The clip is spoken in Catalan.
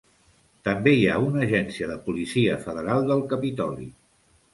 També hi ha una agència de policia federal del capitoli.